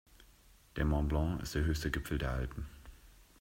Der Mont Blanc ist der höchste Gipfel der Alpen.